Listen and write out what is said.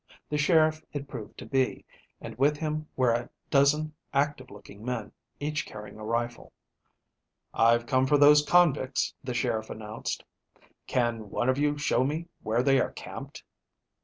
The sheriff it proved to be, and with him were a dozen active looking men, each carrying a rifle. "I've come for those convicts," the sheriff announced. "Can one of you show me where they are camped?"